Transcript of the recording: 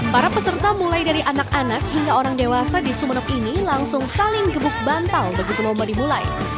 para peserta mulai dari anak anak hingga orang dewasa di sumeneb ini langsung saling gebuk bantal begitu lomba dimulai